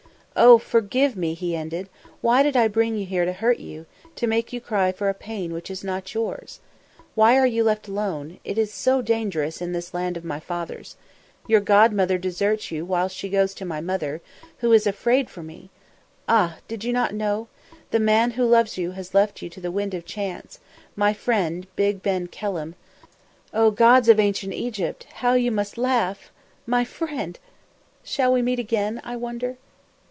"Oh, forgive me!" he ended. "Why did I bring you here to hurt you, to make you cry for a pain which is not yours? Why are you left alone? It is so dangerous in this land of my fathers. Your godmother deserts you whilst she goes to my mother, who is afraid for me ah! did you not know? The man who loves you has left you to the wind of chance: my friend, Big Ben Kelham O gods of ancient Egypt, how you must laugh! my friend! Shall we meet again, I wonder?